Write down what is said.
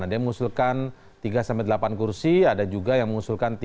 ada yang mengusulkan tiga delapan kursi ada juga yang mengusulkan tiga sepuluh kursi